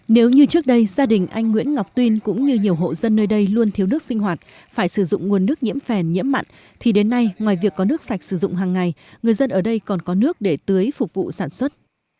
nếu như trước đây gia đình anh nguyễn ngọc tuyên cũng như nhiều hộ dân nơi đây luôn thiếu nước sinh hoạt phải sử dụng nguồn nước nhiễm phèn nhiễm mặn thì đến nay ngoài việc có nước sạch sử dụng hàng ngày người dân ở đây còn có nước để tưới phục vụ sản xuất